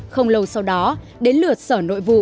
không lâu sau đó đến lượt sở nội vụ